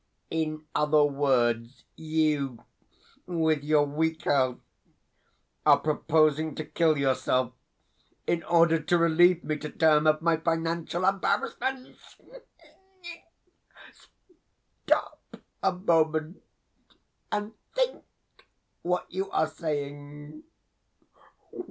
In other words, you, with your weak health, are proposing to kill yourself in order to relieve me to term of my financial embarrassments! Stop a moment, and think what you are saying.